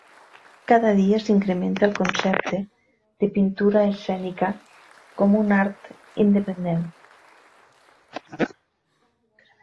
Cada dia s'incrementa el concepte de pintura escènica, com un art independent.